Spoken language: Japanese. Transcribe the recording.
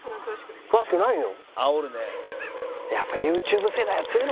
詳しくないの？